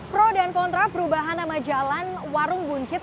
pro dan kontra perubahan nama jalan warung buncit